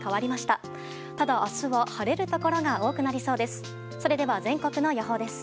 ただ、明日は晴れるところが多くなりそうです。